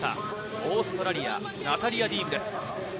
オーストラリアのナタリヤ・ディームです。